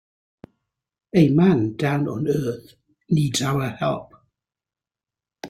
A man down on earth needs our help.